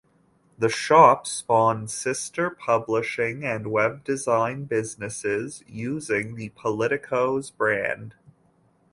The shop spawned sister publishing and web design businesses using the Politico's brand.